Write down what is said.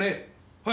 はい！